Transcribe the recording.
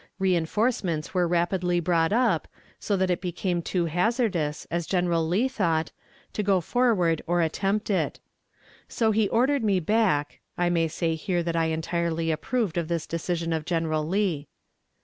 Reënforcements were rapidly brought up, so that it became too hazardous, as General Lee thought, to go forward or attempt it. So he ordered me back (I may say here that I entirely approved of this decision of General Lee).